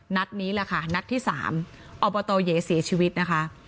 นัดนี้แหละค่ะนัดที่๓อบตเย๋เสียชีวิตนะคะ